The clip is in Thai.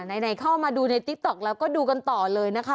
ไหนเข้ามาดูในติ๊กต๊อกแล้วก็ดูกันต่อเลยนะคะ